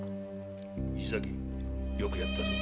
石崎よくやったぞ。